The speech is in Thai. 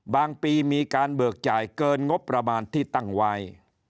ปีมีการเบิกจ่ายเกินงบประมาณที่ตั้งไว้